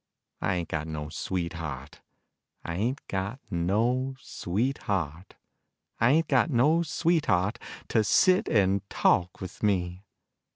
I ain't got no sweetheart, I ain't got no sweetheart, I ain't got no sweetheart To sit and talk with me.